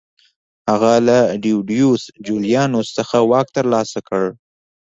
هغه له ډیډیوس جولیانوس څخه واک ترلاسه کړ